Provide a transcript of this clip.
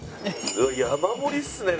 山盛りっすね